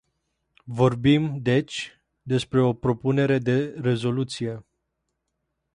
Vorbim, deci, despre o propunere de rezoluție.